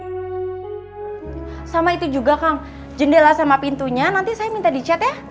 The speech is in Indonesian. ayo kita pergi ya sama itu juga kang jendela sama pintunya nanti saya minta di chat ya